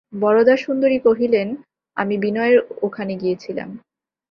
বরদাসুন্দরী কহিলেন, আমি বিনয়ের ওখানে গিয়েছিলেম।